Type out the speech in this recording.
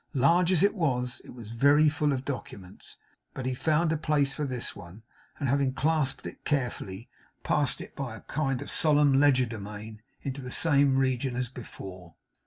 Large as it was, it was very full of documents, but he found a place for this one; and having clasped it carefully, passed it by a kind of solemn legerdemain into the same region as before.